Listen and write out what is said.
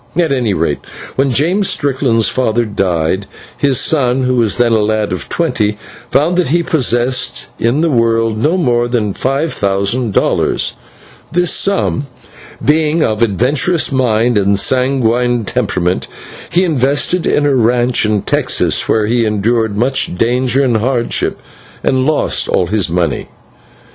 At any rate, when James Strickland's father died, his son, who was then a lad of twenty, found that he possessed in the world no more than five thousand dollars. This sum, being of adventurous mind and sanguine temperament, he invested in a ranch in Texas, where he endured much danger and hardship, and lost all his money.